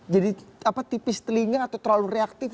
jadi tipis telinga atau terlalu reaktif